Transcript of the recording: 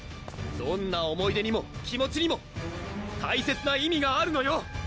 どんな思い出にも気持ちにも大切な意味があるのよ！